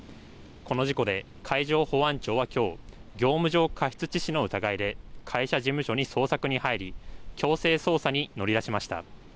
この事故で海上保安庁はきょう業務上過失致死の疑いで会社事務所に捜索に入り強制捜査に乗りだしました。